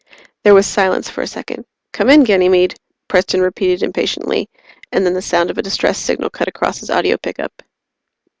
There was silence for a second. "Come in, Ganymede," Preston repeated impatiently and then the sound of a distress signal cut across his audio pickup.